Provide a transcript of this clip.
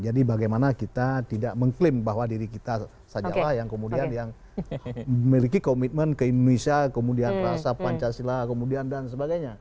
jadi bagaimana kita tidak mengklaim bahwa diri kita sajalah yang kemudian yang memiliki komitmen ke indonesia kemudian rasa pancasila kemudian dan sebagainya